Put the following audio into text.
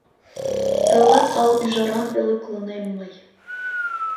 Тылат ал ӱжарам пӧлеклынем мый.